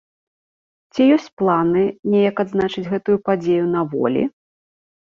Ці ёсць планы неяк адзначыць гэтую падзею на волі?